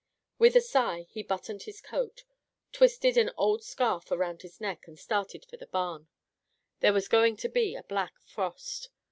With a sigh, he buttoned his coat, twisted an old scarf around his neck, and started for the barn. There was going to be a black frost.